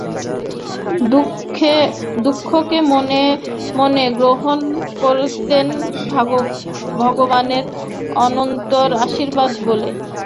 দুঃখকে মনে মনে গ্রহণ করতেন ভগবানের অনন্ত আশীর্বাদ বলে।